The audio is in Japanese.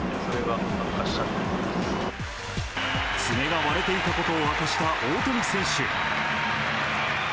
爪が割れていたことを明かした大谷選手。